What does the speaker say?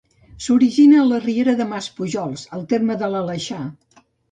S'origina a la Riera de Maspujols, al terme de l'Aleixar.